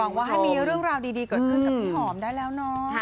หวังว่านี้เรื่องราวดีเกิดขึ้นกับพี่หอมได้แล้วน้อง